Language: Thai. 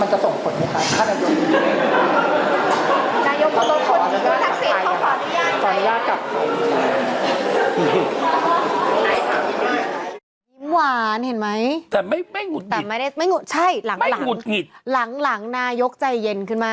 หวานเห็นไหมแต่ไม่ไม่หงุดหงิดไม่หงุดหงิดหลังหลังนายกใจเย็นขึ้นมา